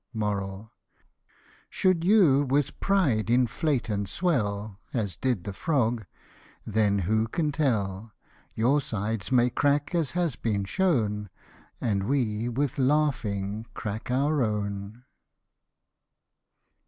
Should you with pride innate and swell, As did the frog : then who can tell ! Your sides may crack as has been shown, And we with laughing crack our own.